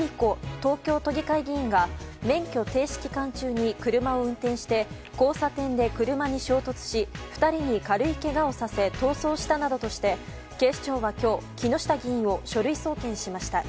東京都議会議員が免許停止期間中に車を運転して交差点で車に衝突し２人に軽いけがをさせ逃走したなどとして警視庁は今日、木下議員を書類送検しました。